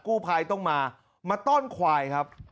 กู้ภัยต้องมามาต้อนควายครับ